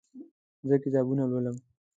زه کتابونه لولم